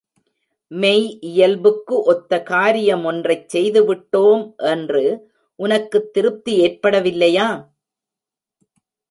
மெய் இயல்புக்கு ஒத்த காரிய மொன்றைச் செய்துவிட்டோம் என்று உனக்குத் திருப்தி ஏற்படவில்லையா?